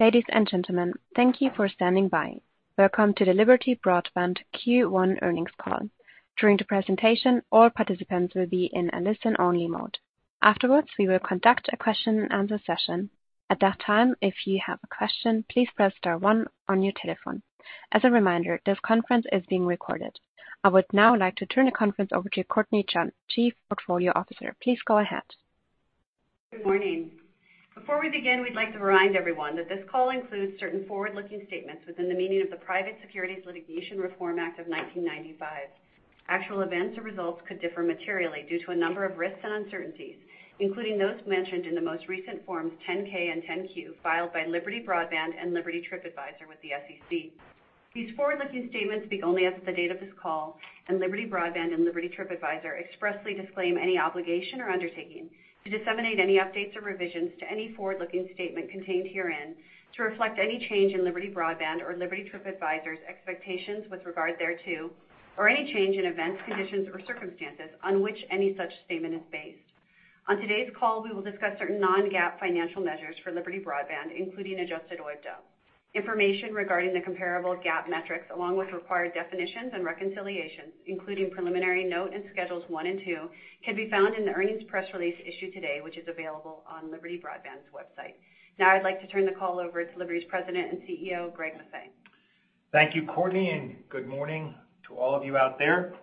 Ladies and gentlemen, thank you for standing by. Welcome to the Liberty Broadband Q1 earnings call. During the presentation, all participants will be in a listen-only mode. Afterwards, we will conduct a question-and-answer session. At that time, if you have a question, please press star one on your telephone. As a reminder, this conference is being recorded. I would now like to turn the conference over to Courtnee Chun, Chief Portfolio Officer. Please go ahead. Good morning. Before we begin, we'd like to remind everyone that this call includes certain forward-looking statements within the meaning of the Private Securities Litigation Reform Act of 1995. Actual events or results could differ materially due to a number of risks and uncertainties, including those mentioned in the most recent forms 10-K and 10-Q filed by Liberty Broadband and Liberty TripAdvisor with the SEC. These forward-looking statements speak only as of the date of this call, and Liberty Broadband and Liberty TripAdvisor expressly disclaim any obligation or undertaking to disseminate any updates or revisions to any forward-looking statement contained herein, to reflect any change in Liberty Broadband or Liberty TripAdvisor's expectations with regard thereto, or any change in events, conditions, or circumstances on which any such statement is based. On today's call, we will discuss certain non-GAAP financial measures for Liberty Broadband, including Adjusted OIBDA. Information regarding the comparable GAAP metrics, along with required definitions and reconciliations, including preliminary note and schedules one and two, can be found in the earnings press release issued today, which is available on Liberty Broadband's website. Now I'd like to turn the call over to Liberty's President and CEO, Greg Maffei. Thank you, Courtnee, and good morning to all of you out there.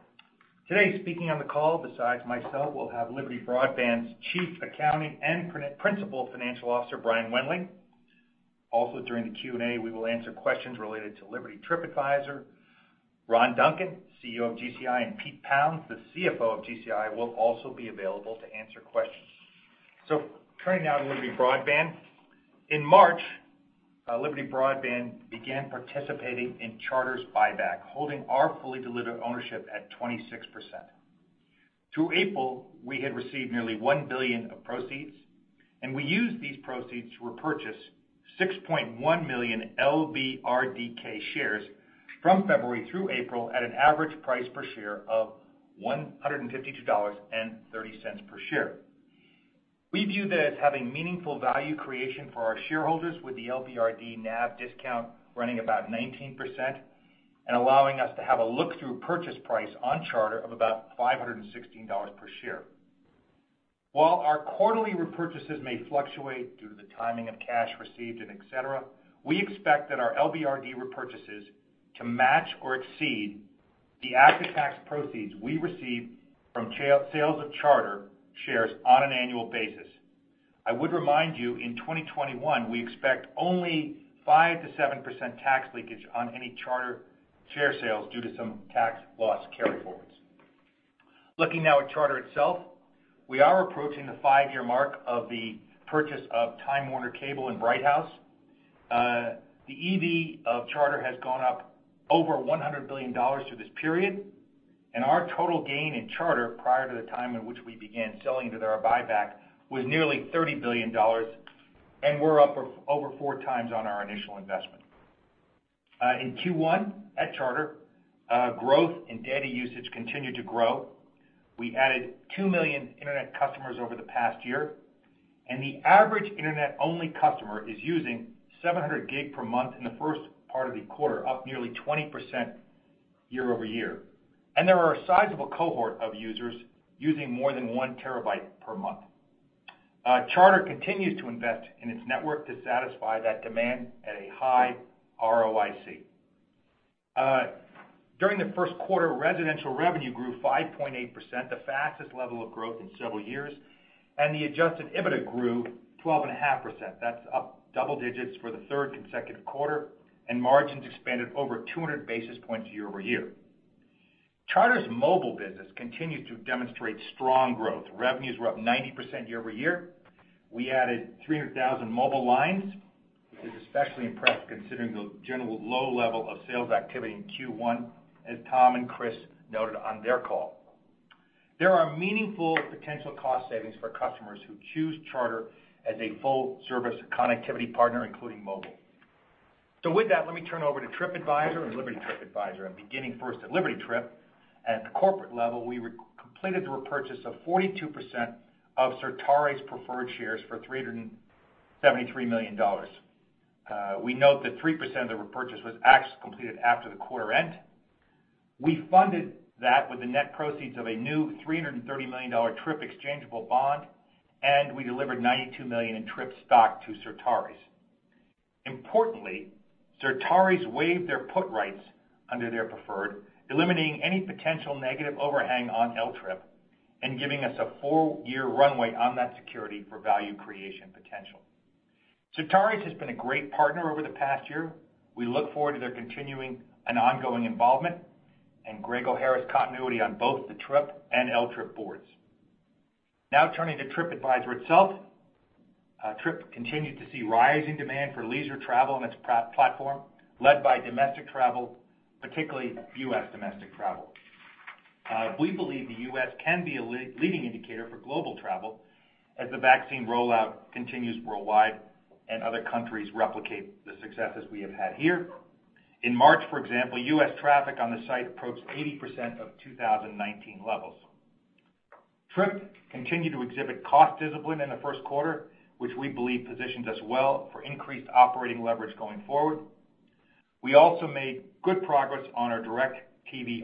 Today, speaking on the call besides myself, we'll have Liberty Broadband's Chief Accounting and Principal Financial Officer, Brian Wendling. Also, during the Q&A, we will answer questions related to Liberty TripAdvisor. Ron Duncan, CEO of GCI, and Pete Pounds, the CFO of GCI, will also be available to answer questions. Turning now to Liberty Broadband. In March, Liberty Broadband began participating in Charter's buyback, holding our fully diluted ownership at 26%. Through April, we had received nearly $1 billion of proceeds, and we used these proceeds to repurchase 6.1 million LBRDK shares from February through April at an average price per share of $152.30 per share. We view this as having meaningful value creation for our shareholders with the LBRD NAV discount running about 19% and allowing us to have a look-through purchase price on Charter of about $516 per share. While our quarterly repurchases may fluctuate due to the timing of cash received, et cetera, we expect that our LBRD repurchases to match or exceed the after-tax proceeds we receive from sales of Charter shares on an annual basis. I would remind you, in 2021, we expect only 5% - 7% tax leakage on any Charter share sales due to some tax loss carryforwards. Looking now at Charter itself, we are approaching the five-year mark of the purchase of Time Warner Cable and Bright House. The EV of Charter has gone up over $100 billion through this period, and our total gain in Charter prior to the time in which we began selling to their buyback was nearly $30 billion, and we're up over 4x on our initial investment. In Q1 at Charter, growth and data usage continued to grow. We added 2 million Internet customers over the past year, and the average Internet-only customer is using 700 GB per month in the first part of the quarter, up nearly 20% year-over-year. There are a sizable cohort of users using more than one terabyte per month. Charter continues to invest in its network to satisfy that demand at a high ROIC. During the first quarter, residential revenue grew 5.8%, the fastest level of growth in several years, and the Adjusted EBITDA grew 12.5%. That's up double digits for the third consecutive quarter, and margins expanded over 200 basis points year-over-year. Charter's mobile business continued to demonstrate strong growth. Revenues were up 90% year-over-year. We added 300,000 mobile lines, which is especially impressive considering the general low level of sales activity in Q1, as Tom and Chris noted on their call. There are meaningful potential cost savings for customers who choose Charter as a full-service connectivity partner, including mobile. With that, let me turn over to TripAdvisor and Liberty TripAdvisor. Beginning first at Liberty Trip, at the corporate level, we completed the repurchase of 42% of Certares preferred shares for $373 million. We note that 3% of the repurchase was actually completed after the quarter end. We funded that with the net proceeds of a new $330 million TRIP exchangeable bond, and we delivered $92 million in TRIP stock to Certares. Importantly, Certares waived their put rights under their preferred, eliminating any potential negative overhang on L TRIP and giving us a full year runway on that security for value creation potential. Certares has been a great partner over the past year. We look forward to their continuing and ongoing involvement and Greg O'Hara's continuity on both the TRIP and L TRIP boards. Now turning to Tripadvisor itself. TRIP continued to see rising demand for leisure travel on its platform, led by domestic travel, particularly U.S. domestic travel. We believe the U.S. can be a leading indicator for global travel as the vaccine rollout continues worldwide and other countries replicate the successes we have had here. In March, for example, U.S. traffic on the site approached 80% of 2019 levels. TRIP continued to exhibit cost discipline in the first quarter, which we believe positions us well for increased operating leverage going forward. We also made good progress on our direct-to-consumer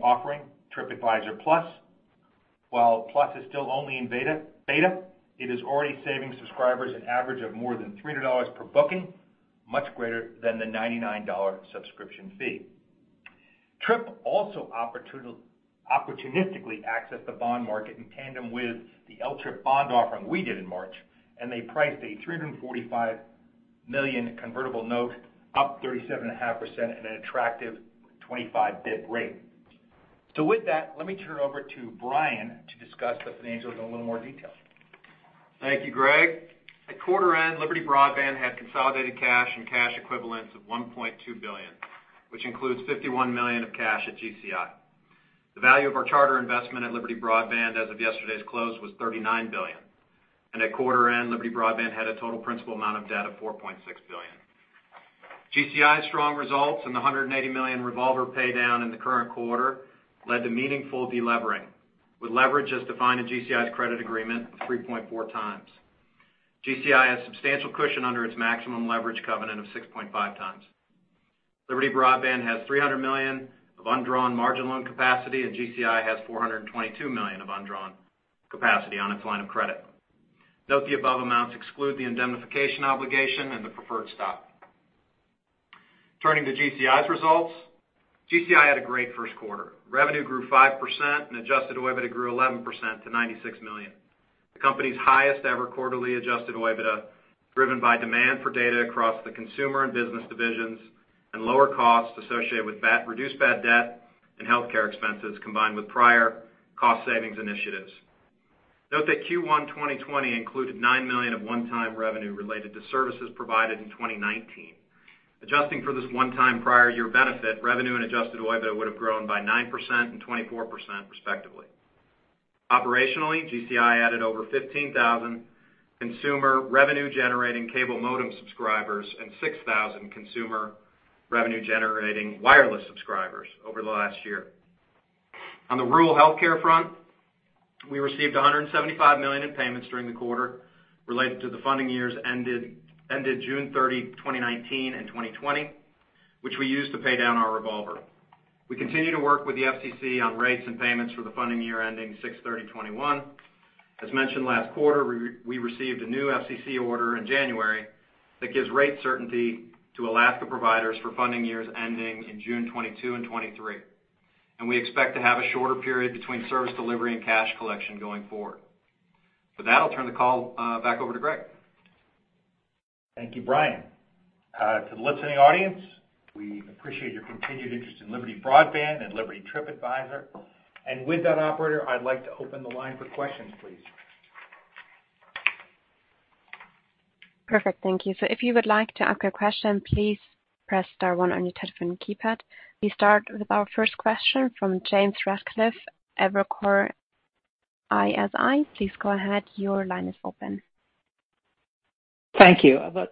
offering, TripAdvisor Plus. While Plus is still only in beta, it is already saving subscribers an average of more than $300 per booking, much greater than the $99 subscription fee. TRIP also opportunistically accessed the bond market in tandem with the L TRIP bond offering we did in March. They priced a $345 million convertible note up 37.5% at an attractive 25 basis point rate. With that, let me turn it over to Brian to discuss the financials in a little more detail. Thank you, Greg. At quarter end, Liberty Broadband had consolidated cash and cash equivalents of $1.2 billion, which includes $51 million of cash at GCI. The value of our Charter investment at Liberty Broadband as of yesterday's close was $39 billion. At quarter end, Liberty Broadband had a total principal amount of debt of $4.6 billion. GCI's strong results and the $180 million revolver paydown in the current quarter led to meaningful delevering, with leverage as defined in GCI's credit agreement of 3.4x. GCI has substantial cushion under its maximum leverage covenant of 6.5 times. Liberty Broadband has $300 million of undrawn margin loan capacity, and GCI has $422 million of undrawn capacity on its line of credit. Note the above amounts exclude the indemnification obligation and the preferred stock. Turning to GCI's results. GCI had a great first quarter. Revenue grew 5% and Adjusted OIBDA grew 11% to $96 million. The company's highest ever quarterly Adjusted OIBDA, driven by demand for data across the consumer and business divisions and lower costs associated with reduced bad debt and healthcare expenses, combined with prior cost savings initiatives. Note that Q1 2020 included $9 million of one-time revenue related to services provided in 2019. Adjusting for this one time prior year benefit, revenue and Adjusted OIBDA would have grown by 9% and 24% respectively. Operationally, GCI added over 15,000 consumer revenue generating cable modem subscribers and 6,000 consumer revenue generating wireless subscribers over the last year. On the rural healthcare front, we received $175 million in payments during the quarter related to the funding years ended June 30, 2019 and 2020, which we used to pay down our revolver. We continue to work with the FCC on rates and payments for the funding year ending 06/30/2021. As mentioned last quarter, we received a new FCC order in January that gives rate certainty to Alaska providers for funding years ending in June 2022 and 2023. We expect to have a shorter period between service delivery and cash collection going forward. With that, I'll turn the call back over to Greg. Thank you, Brian. To the listening audience, we appreciate your continued interest in Liberty Broadband and Liberty TripAdvisor. With that operator, I'd like to open the line for questions, please. Perfect. Thank you. If you would like to ask a question, please press star one on your telephone keypad. We start with our first question from James Ratcliffe, Evercore ISI. Please go ahead. Your line is open. Thank you. I've got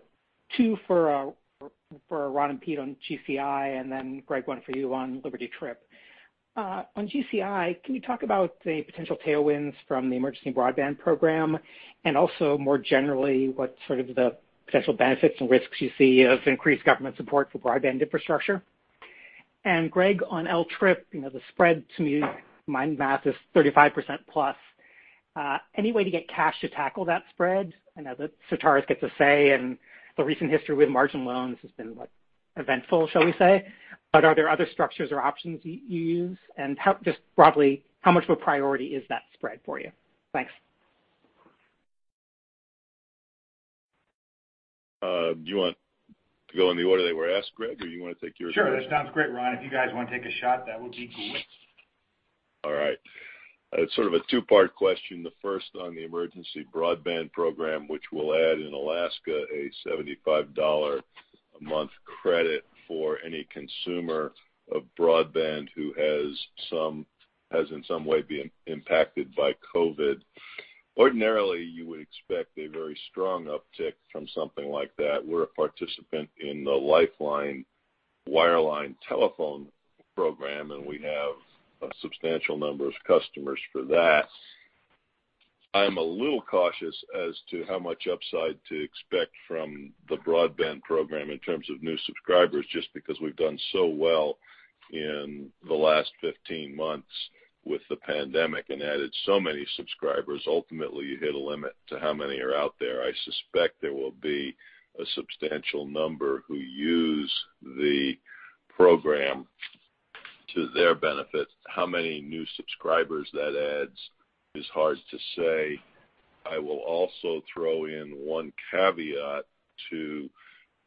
two for Ron and Pete on GCI. Greg, one for you on Liberty Trip. On GCI, can you talk about the potential tailwinds from the Emergency Broadband Benefit Program and more generally, what sort of the potential benefits and risks you see of increased government support for broadband infrastructure? Greg, on L Trip, the spread to me, my math is 35%+. Any way to get cash to tackle that spread? I know that Certares gets a say. The recent history with margin loans has been eventful, shall we say. Are there other structures or options you use? Just broadly, how much of a priority is that spread for you? Thanks. Do you want to go in the order they were asked, Greg, or do you want to take yours first? Sure, that sounds great, Ron. If you guys want to take a shot, that would be great. All right. It's sort of a two-part question. The first on the Emergency Broadband Benefit Program, which will add in Alaska a $75 a month credit for any consumer of broadband who has in some way been impacted by COVID. Ordinarily, you would expect a very strong uptick from something like that. We're a participant in the Lifeline, and we have a substantial number of customers for that. I'm a little cautious as to how much upside to expect from the broadband program in terms of new subscribers, just because we've done so well in the last 15 months with the pandemic and added so many subscribers. Ultimately, you hit a limit to how many are out there. I suspect there will be a substantial number who use the program to their benefit. How many new subscribers that adds is hard to say. I will also throw in one caveat to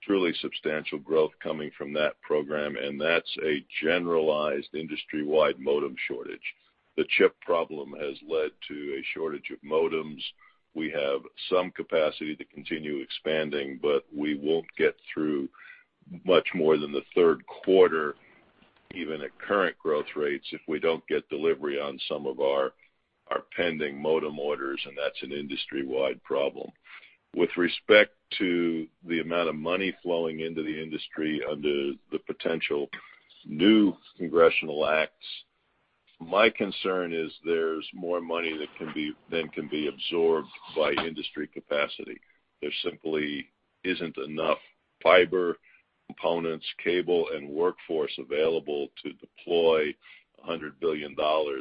truly substantial growth coming from that program, and that's a generalized industry-wide modem shortage. The chip problem has led to a shortage of modems. We have some capacity to continue expanding, but we won't get through much more than the third quarter, even at current growth rates, if we don't get delivery on some of our pending modem orders, and that's an industry-wide problem. With respect to the amount of money flowing into the industry under the potential new congressional acts. My concern is there's more money than can be absorbed by industry capacity. There simply isn't enough fiber, components, cable, and workforce available to deploy $100 billion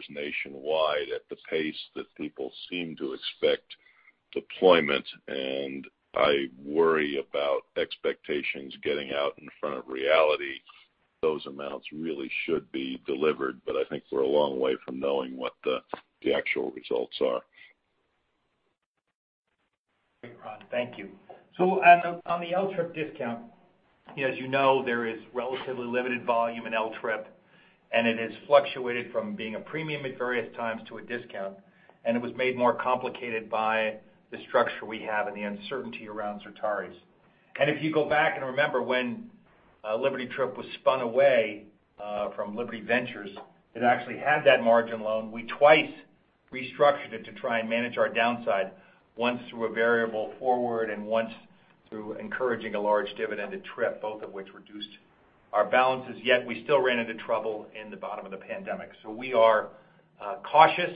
nationwide at the pace that people seem to expect deployment. I worry about expectations getting out in front of reality. Those amounts really should be delivered, but I think we're a long way from knowing what the actual results are. Great, Ron. Thank you. On the L TRIP discount, as you know, there is relatively limited volume in L TRIP, and it has fluctuated from being a premium at various times to a discount, and it was made more complicated by the structure we have and the uncertainty around Certares. If you go back and remember when Liberty TripAdvisor was spun away from Liberty Ventures, it actually had that margin loan. We twice restructured it to try and manage our downside, once through a variable forward and once through encouraging a large dividend to TRIP, both of which reduced our balances, yet we still ran into trouble in the bottom of the pandemic. We are cautious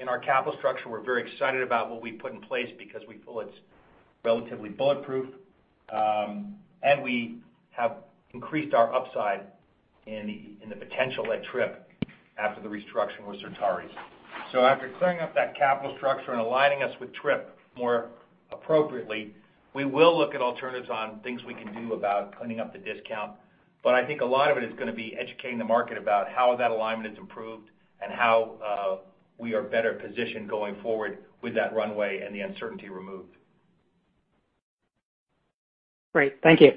in our capital structure. We're very excited about what we put in place because we feel it's relatively bulletproof. We have increased our upside in the potential at TRIP after the restructuring with Certares. After clearing up that capital structure and aligning us with TRIP more appropriately, we will look at alternatives on things we can do about cleaning up the discount. I think a lot of it is going to be educating the market about how that alignment is improved and how we are better positioned going forward with that runway and the uncertainty removed. Great. Thank you.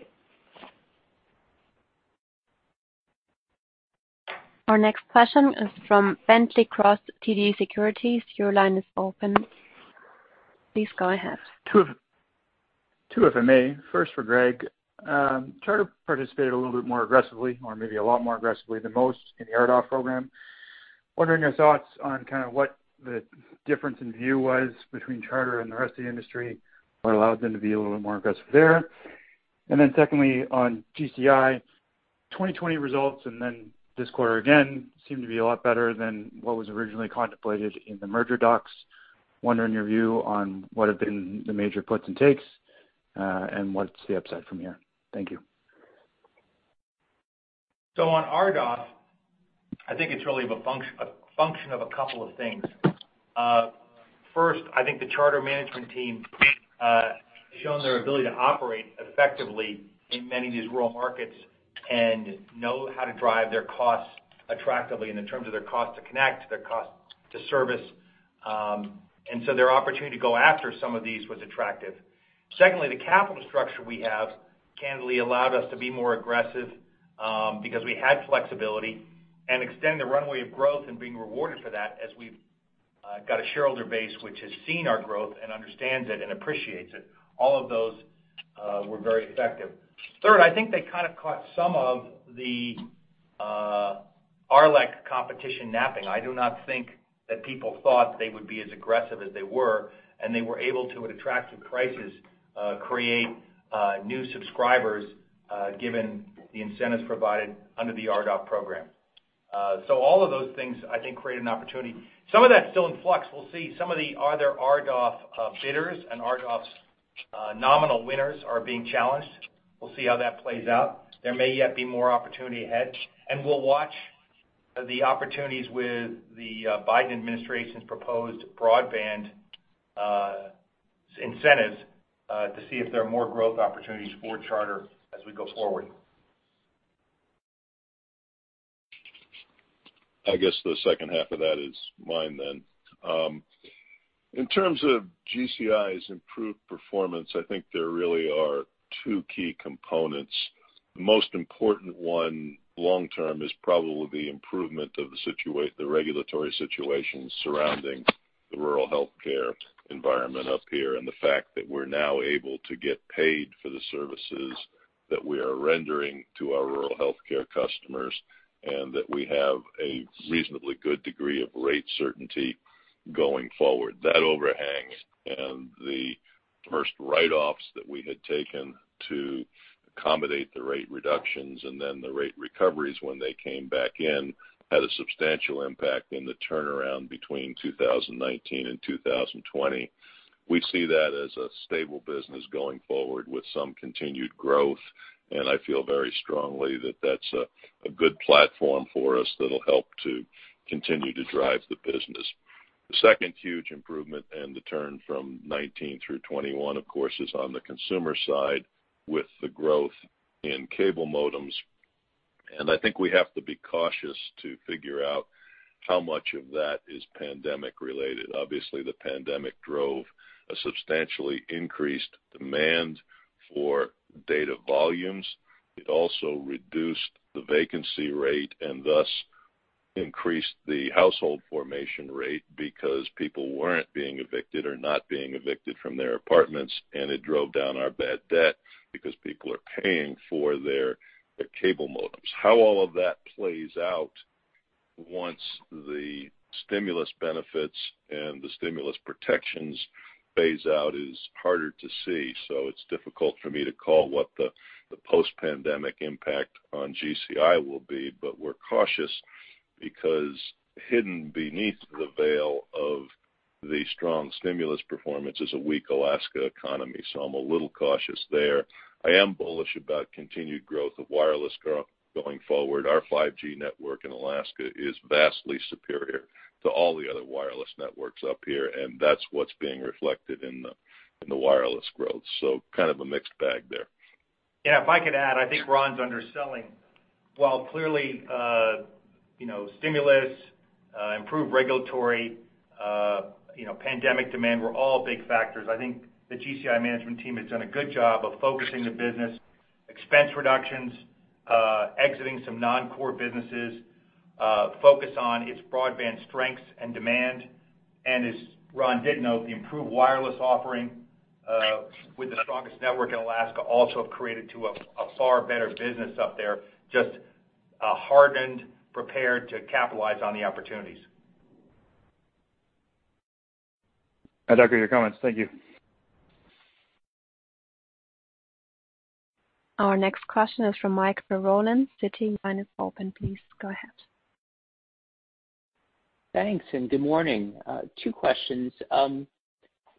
Our next question is from Bentley Cross, TD Securities. Your line is open. Please go ahead. Two, if I may. First for Greg. Charter Communications participated a little bit more aggressively, or maybe a lot more aggressively than most in the RDOF program. Wondering your thoughts on what the difference in view was between Charter Communications and the rest of the industry, what allowed them to be a little bit more aggressive there. Secondly, on GCI, 2020 results and then this quarter again seemed to be a lot better than what was originally contemplated in the merger docs. Wondering your view on what have been the major puts and takes, and what's the upside from here? Thank you. On RDOF, I think it's really a function of a couple of things. First, I think the Charter management team shown their ability to operate effectively in many of these rural markets and know how to drive their costs attractively in terms of their cost to connect, their cost to service. Their opportunity to go after some of these was attractive. Secondly, the capital structure we have candidly allowed us to be more aggressive, because we had flexibility and extend the runway of growth and being rewarded for that as we've got a shareholder base which has seen our growth and understands it and appreciates it. All of those were very effective. Third, I think they caught some of the RLEC competition napping. I do not think that people thought they would be as aggressive as they were, and they were able to, at attractive prices, create new subscribers, given the incentives provided under the RDOF program. All of those things, I think, created an opportunity. Some of that's still in flux. We'll see some of the other RDOF bidders and RDOF's nominal winners are being challenged. We'll see how that plays out. There may yet be more opportunity ahead, and we'll watch the opportunities with the Biden administration's proposed broadband incentives to see if there are more growth opportunities for Charter as we go forward. I guess the second half of that is mine then. In terms of GCI's improved performance, I think there really are two key components. The most important one long term is probably the improvement of the regulatory situation surrounding the rural healthcare environment up here and the fact that we're now able to get paid for the services that we are rendering to our rural healthcare customers, and that we have a reasonably good degree of rate certainty going forward. That overhang and the first write-offs that we had taken to accommodate the rate reductions and then the rate recoveries when they came back in, had a substantial impact in the turnaround between 2019 and 2020. We see that as a stable business going forward with some continued growth, and I feel very strongly that that's a good platform for us that'll help to continue to drive the business. The second huge improvement and the turn from 2019 through 2021, of course, is on the consumer side with the growth in cable modems. I think we have to be cautious to figure out how much of that is pandemic related. Obviously, the pandemic drove a substantially increased demand for data volumes. It also reduced the vacancy rate and thus increased the household formation rate because people weren't being evicted or not being evicted from their apartments, and it drove down our bad debt because people are paying for their cable modems. How all of that plays out once the stimulus benefits and the stimulus protections phase-out is harder to see. It's difficult for me to call what the post-pandemic impact on GCI will be. We're cautious because hidden beneath the veil of the strong stimulus performance is a weak Alaska economy. I'm a little cautious there. I am bullish about continued growth of wireless going forward. Our 5G network in Alaska is vastly superior to all the other wireless networks up here, and that's what's being reflected in the wireless growth. Kind of a mixed bag there. Yeah, if I could add, I think Ron's underselling. While clearly, stimulus, improved regulatory, pandemic demand were all big factors, I think the GCI management team has done a good job of focusing the business, expense reductions, exiting some non-core businesses, focus on its broadband strengths and demand. As Ron did note, the improved wireless offering with the strongest network in Alaska also have created to a far better business up there, just hardened, prepared to capitalize on the opportunities. I concur with your comments. Thank you. Our next question is from Mike Carolan, Citi. Line is open. Please go ahead. Thanks and good morning. Two questions.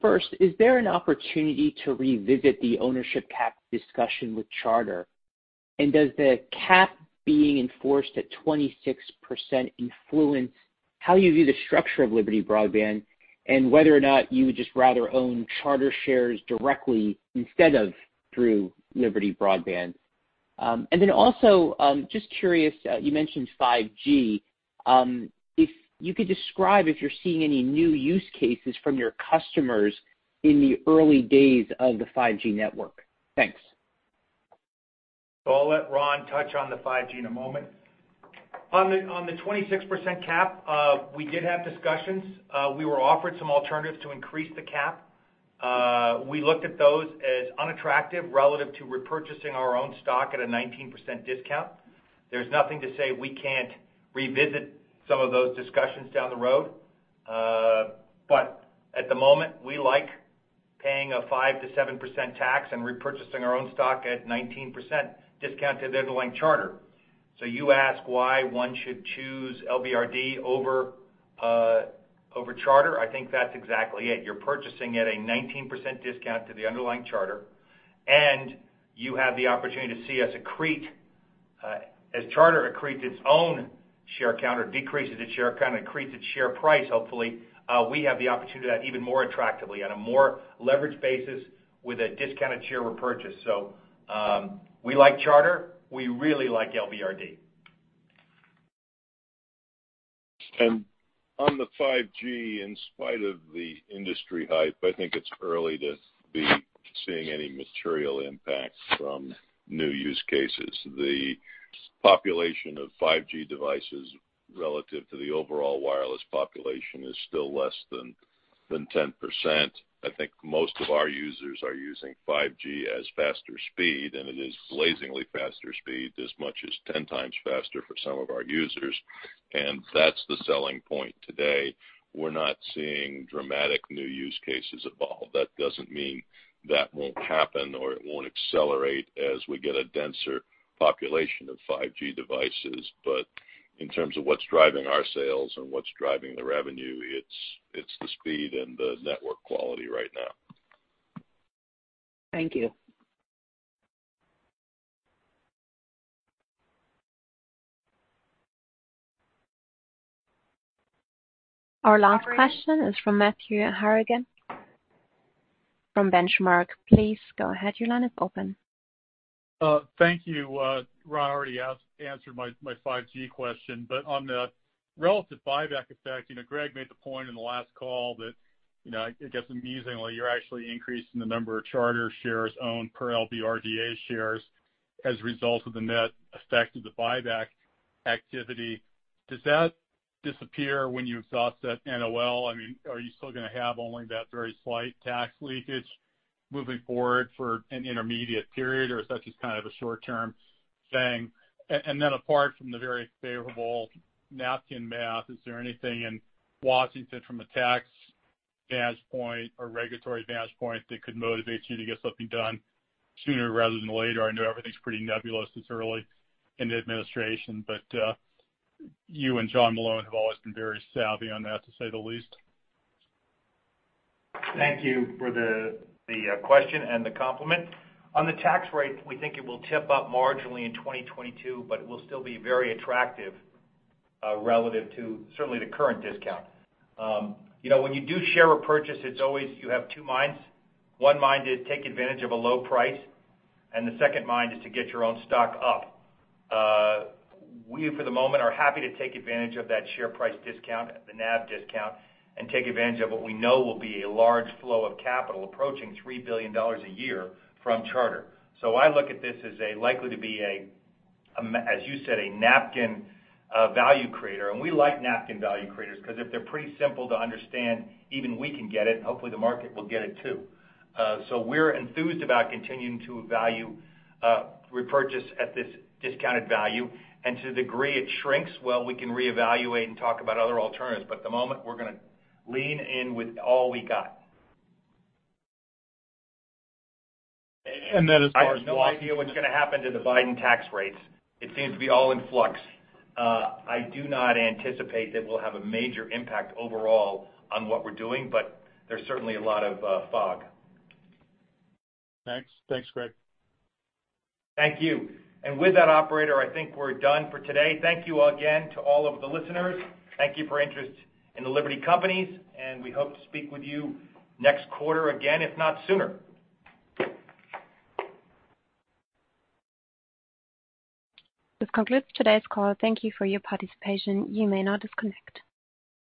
First, is there an opportunity to revisit the ownership cap discussion with Charter? Does the cap being enforced at 26% influence how you view the structure of Liberty Broadband and whether or not you would just rather own Charter shares directly instead of through Liberty Broadband? Also, just curious, you mentioned 5G. If you could describe if you're seeing any new use cases from your customers in the early days of the 5G network. Thanks. I'll let Ron touch on the 5G in a moment. On the 26% cap, we did have discussions. We were offered some alternatives to increase the cap. We looked at those as unattractive relative to repurchasing our own stock at a 19% discount. There's nothing to say we can't revisit some of those discussions down the road. At the moment, we like paying a 5%-7% tax and repurchasing our own stock at 19% discount to the underlying Charter. You ask why one should choose LBRD over Charter. I think that's exactly it. You're purchasing at a 19% discount to the underlying Charter, and you have the opportunity to see as Charter accretes its own share count or decreases its share count, increases share price, hopefully, we have the opportunity to do that even more attractively on a more leveraged basis with a discounted share repurchase. We like Charter. We really like LBRD. On the 5G, in spite of the industry hype, I think it's early to be seeing any material impact from new use cases. The population of 5G devices relative to the overall wireless population is still less than 10%. I think most of our users are using 5G as faster speed, and it is blazingly faster speed, as much as 10 times faster for some of our users. That's the selling point today. We're not seeing dramatic new use cases evolve. That doesn't mean that won't happen or it won't accelerate as we get a denser population of 5G devices. In terms of what's driving our sales and what's driving the revenue, it's the speed and the network quality right now. Thank you. Our last question is from Matthew Harrigan from Benchmark. Please go ahead, your line is open. Thank you. Ron already answered my 5G question. On the relative buyback effect, Greg made the point in the last call that it gets amusing when you're actually increasing the number of Charter shares owned per LBRDA shares as a result of the net effect of the buyback activity. Does that disappear when you exhaust that NOL? Are you still going to have only that very slight tax leakage moving forward for an intermediate period, or is that just kind of a short-term thing? Apart from the very favorable napkin math, is there anything in Washington from a tax vantage point or regulatory vantage point that could motivate you to get something done sooner rather than later? I know everything's pretty nebulous this early in the administration, you and John Malone have always been very savvy on that, to say the least. Thank you for the question and the compliment. On the tax rate, we think it will tip up marginally in 2022, but it will still be very attractive relative to certainly the current discount. When you do share a purchase, it's always you have two minds. One mind is take advantage of a low price, and the second mind is to get your own stock up. We, for the moment, are happy to take advantage of that share price discount, the NAV discount, and take advantage of what we know will be a large flow of capital approaching $3 billion a year from Charter. I look at this as likely to be a, as you said, a napkin value creator, and we like napkin value creators because if they're pretty simple to understand, even we can get it, and hopefully the market will get it too. We're enthused about continuing to value repurchase at this discounted value. To the degree it shrinks, well, we can reevaluate and talk about other alternatives. At the moment, we're going to lean in with all we got. As far as Washington. I have no idea what's going to happen to the Biden tax rates. It seems to be all in flux. I do not anticipate that we'll have a major impact overall on what we're doing, but there's certainly a lot of fog. Thanks, Greg. Thank you. With that operator, I think we're done for today. Thank you again to all of the listeners. Thank you for interest in the Liberty companies, and we hope to speak with you next quarter again, if not sooner. This concludes today's call. Thank you for your participation. You may now disconnect.